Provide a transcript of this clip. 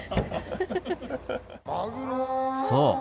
そう！